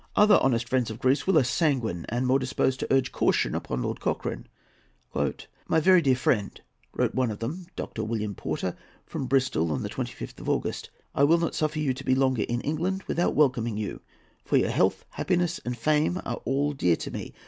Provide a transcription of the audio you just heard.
Other honest friends of Greece were less sanguine, and more disposed to urge caution upon Lord Cochrane. "My very dear friend," wrote one of them, Dr. William Porter, from Bristol on the 25th of August, "I will not suffer you to be longer in England without welcoming you; for your health, happiness, and fame are all dear to me.